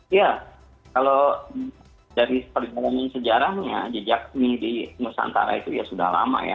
iya kalau dari perjalanan sejarahnya jejak mie di nusantara itu ya sudah lama ya